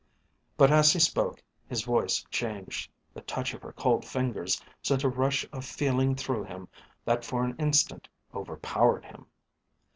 But as he spoke his voice changed. The touch of her cold fingers sent a rush of feeling through him that for an instant overpowered him.